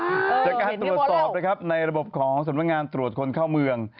จากการตรวจสอบนะครับในระบบของสำนักงานตรวจคนเข้าเมือง